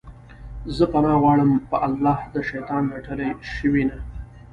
زه پناه غواړم په الله د شيطان رټلي شوي نه